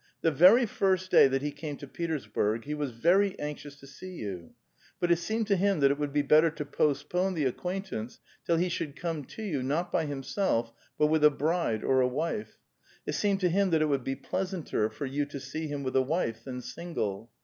The very first (lay that he came to Petersburg he was very anxious to see you, but it seemed to him that it would be better to post* pone the acquaintance till he should come to you, not by himself, but with a ' bride ' or a wife. It seemed to him that it would be pleasanter for yon to see him with a wife than single.